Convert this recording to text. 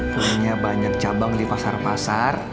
punya banyak cabang di pasar pasar